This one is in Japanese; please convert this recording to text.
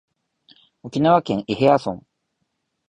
沖縄県伊平屋村